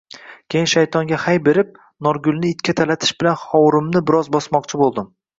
Keyin shaytonga hay berib, Norgulni itga talatish bilan hovurimni biroz bosmoqchi bo’ldim.